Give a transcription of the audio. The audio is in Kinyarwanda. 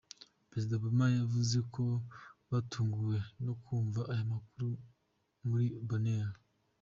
Perezida Obama yavuze ko yatunguwe no kumva aya makuru kuri Boehner.